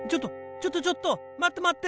ちょっとちょっと待って待って！